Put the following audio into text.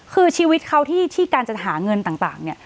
คือชีวิตเขาที่การจะหาเงินต่างเนี่ย